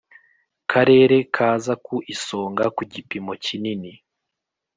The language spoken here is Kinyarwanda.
Karere kaza ku isonga ku gipimo kinini